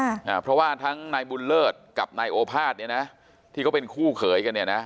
อ่าเพราะว่าทั้งนายบุญเลิศกับนายโอภาษเนี้ยนะที่เขาเป็นคู่เขยกันเนี้ยนะ